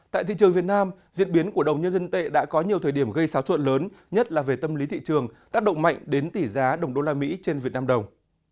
tại thị trường việt nam diễn biến của đồng nhân dân tệ đã có nhiều thời điểm gây xáo trộn lớn nhất là về tâm lý thị trường tác động mạnh đến tỷ giá đồng đô la mỹ trên việt nam đồng